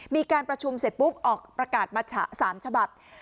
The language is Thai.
มีการประชุมเสร็จปุ๊บออกประกาศมัชฉะ๓ฉบับ